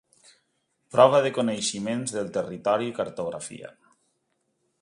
Prova de coneixements del territori i cartografia.